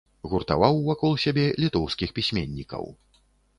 Гуртаваў вакол сябе літоўскіх пісьменнікаў.